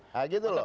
nah gitu loh